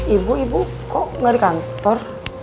ibu ibu kok nggak di kantor